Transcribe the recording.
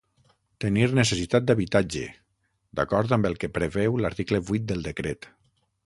Tenir necessitat d'habitatge, d'acord amb el que preveu l'article vuit del Decret.